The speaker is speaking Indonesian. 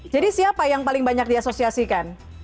jadi siapa yang paling banyak diasosiasikan